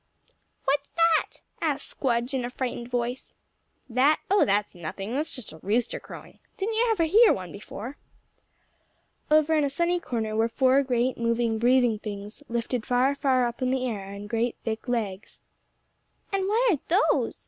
"What's that?" asked Squdge in a frightened voice. "That? Oh, that's nothing. That's just a rooster crowing. Didn't you ever hear one before?" Over in a sunny corner were four great moving, breathing things, lifted far, far up in the air on great thick legs. "And what are those?"